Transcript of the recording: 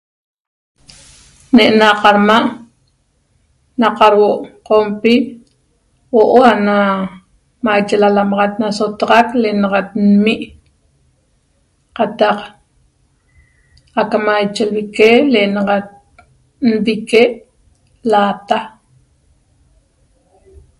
Nena camaa' na qarhuo qompi huo'o namaxa ma losotaxaq lenaxat n'mi qataq mache l'vique lenaxat nvique lata